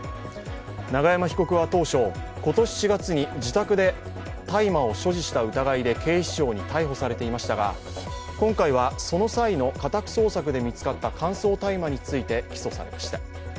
永山被告は当初、今年４月に自宅で大麻を所持した疑いで警視庁に逮捕されていましたが、今回は、その際の家宅捜索で見つかった乾燥大麻について起訴されました。